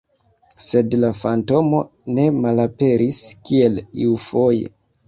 Sed la fantomo ne malaperis, kiel iufoje.